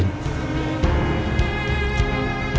nino suami pertamanya andi